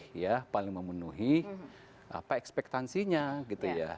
pemilih ya paling memenuhi apa ekspektasinya gitu ya